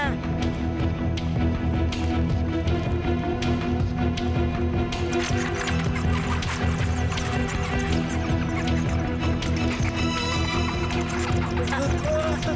aduh ada yang melawan